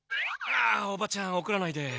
おばちゃんおこらないで。